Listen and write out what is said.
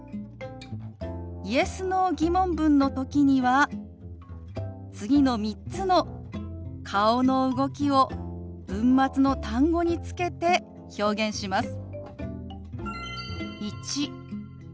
Ｙｅｓ／Ｎｏ−疑問文の時には次の３つの顔の動きを文末の単語につけて表現します。